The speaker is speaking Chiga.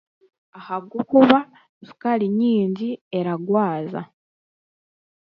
Ahabwokuba shukaari nyaingi eragwaza